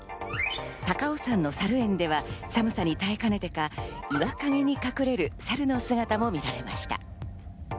高尾山のさる園では寒さに耐えかねてか、岩陰に隠れるサルの姿も見られました。